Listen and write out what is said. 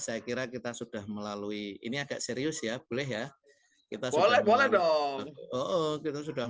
kasrekira kita sudah melalui ini agak serius ya belem ya kita boleh boleh dong when u bisa sudah